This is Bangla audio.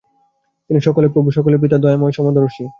তিনি সকলের প্রভু, সকলের পিতা, দয়াময়, সমদর্শী।